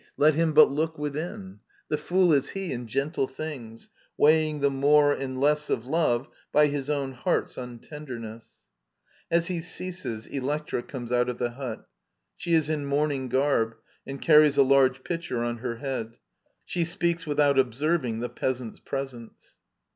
Let him but look within. The fool is he In gentle things, weighing the more and less Of love by his own heart's xmtenderness. [jts hi ceases Electra comes out of the hut. She is in mourning garby and carries a large pitcher on her head. She speaks without observing the Peasant's presence.